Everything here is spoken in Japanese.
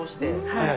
はい。